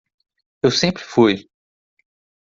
Eu sempre fui.